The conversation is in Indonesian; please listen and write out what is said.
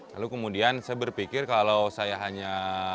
lalu kemudian saya berpikir kalau saya hanya